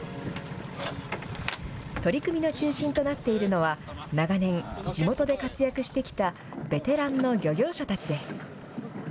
取り組みの中心となっているのは、長年、地元で活躍してきたベテランの漁業者たちです。